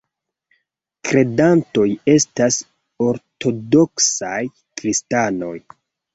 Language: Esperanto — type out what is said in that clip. Kredantoj estas ortodoksaj kristanoj.